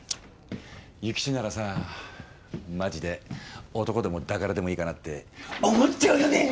諭吉ならさマジで男でも抱かれてもいいかなって思っちゃうよね。